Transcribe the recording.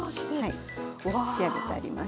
仕上げてあります。